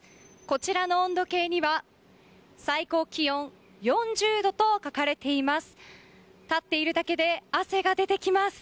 こちらの温度計には最高気温４０度と書かれています。